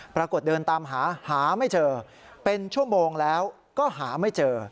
ปรากฏเดินตามหาหาไม่เจอเป็นชั่วโมงแล้วก็หาไม่เจอ